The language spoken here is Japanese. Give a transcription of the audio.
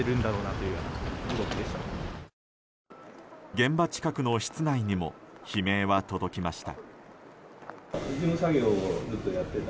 現場近くの室内にも悲鳴は届きました。